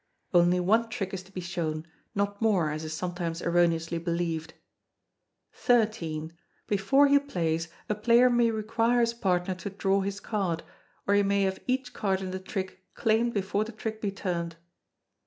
[Only one trick is to be shown; not more, as is sometimes erroneously believed.] xiii. Before he plays, a player may require his partner to "draw his card," or he may have each card in the trick claimed before the trick be turned.